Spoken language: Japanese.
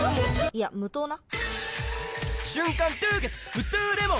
いや無糖な！